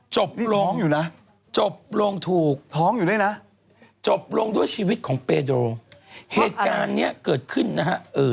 จบลงจบลงถูกจบลงด้วยชีวิตของเพดอลเหตุการณ์เนี่ยเกิดขึ้นนะฮะ